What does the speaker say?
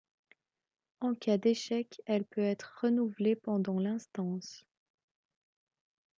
En cas d'échec, elle peut être renouvelée pendant l'instance.